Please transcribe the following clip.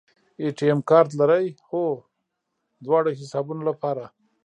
اے ټي ایم کارت لرئ؟ هو، دواړو حسابونو لپاره